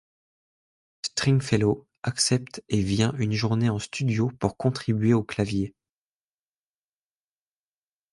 Stringfellow accepte et vient une journée en studio pour contribuer aux claviers.